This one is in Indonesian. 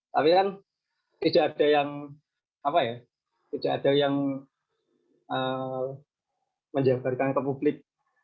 tapi kan tidak ada yang menjawabkan ke publik